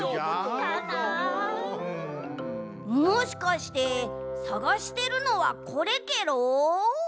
・もしかしてさがしてるのはこれケロ？